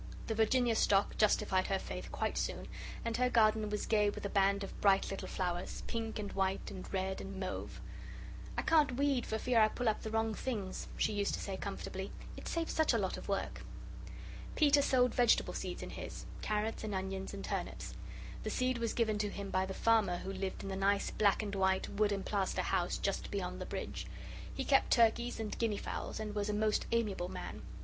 The Virginia Stock justified her faith quite soon, and her garden was gay with a band of bright little flowers, pink and white and red and mauve. "I can't weed for fear I pull up the wrong things," she used to say comfortably; "it saves such a lot of work." Peter sowed vegetable seeds in his carrots and onions and turnips. The seed was given to him by the farmer who lived in the nice black and white, wood and plaster house just beyond the bridge. He kept turkeys and guinea fowls, and was a most amiable man.